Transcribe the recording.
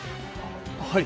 はい。